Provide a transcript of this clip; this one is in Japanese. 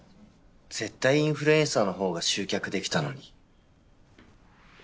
絶対インフルエンサーの方が集客できたのに。